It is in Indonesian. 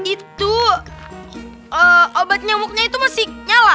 itu obat nyamuknya itu masih nyala